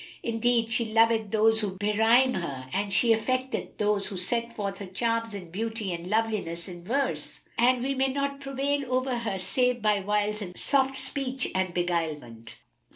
Indeed, she loveth those who berhyme her and she affecteth those who set forth her charms and beauty and loveliness in verse, and we may not prevail over her save by wiles and soft speech and beguilement."